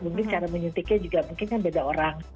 mungkin cara menyuntiknya juga mungkin kan beda orang